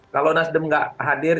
kalau nasdem gak hadir